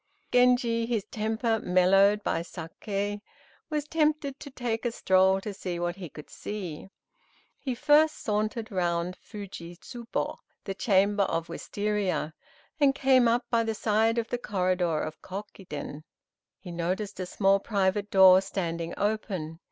Genji, his temper mellowed by saké, was tempted to take a stroll to see what he could see. He first sauntered round Fuji Tsubo (the chamber of Wistaria) and came up by the side of the corridor of Kokiden. He noticed a small private door standing open.